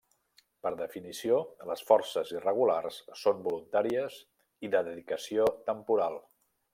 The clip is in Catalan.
Per definició, les forces irregulars són voluntàries i de dedicació temporal.